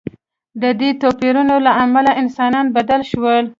د دې توپیرونو له امله انسانان بدل شول.